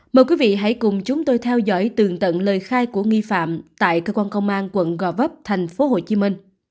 mời quý vị hãy cùng chúng tôi theo dõi tường tận lời khai của nghi phạm tại cơ quan công an quận gò vấp tp hcm